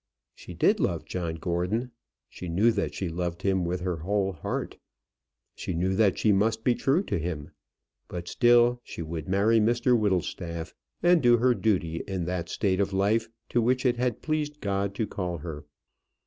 She did love John Gordon; she knew that she loved him with her whole heart; she knew that she must be true to him; but still she would marry Mr Whittlestaff, and do her duty in that state of life to which it had pleased God to call her.